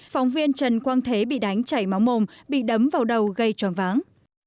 phóng viên trần quang thế bị đánh chảy máu mồm bị đấm vào đầu gây choáng váng